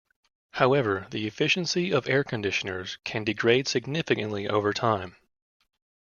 However, the efficiency of air conditioners can degrade significantly over time.